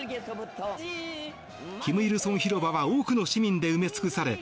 金日成広場は多くの市民で埋め尽くされ